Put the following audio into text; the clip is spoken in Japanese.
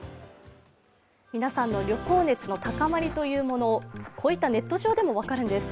皆さんの旅行熱の高まりというもの、こういったネット上でも分かるんです。